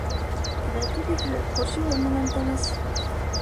Келәте бикле күршеһе менән тыныс.